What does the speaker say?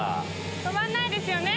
止まんないですよね